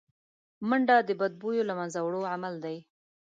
منډه د بدبویو له منځه وړو عمل دی